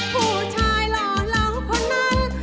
ผู้ชายหล่อเหล่าคนนั้น